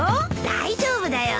大丈夫だよ。